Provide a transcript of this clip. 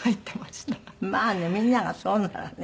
まあねみんながそうならね。